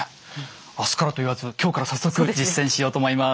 明日からと言わず今日から早速実践しようと思います。